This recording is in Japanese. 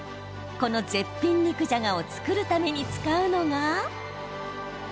この絶品肉じゃがを作るために使うのが。